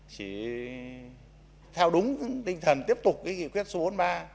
chỉ theo đúng tinh thần tiếp tục cái kỷ quyết số bốn ba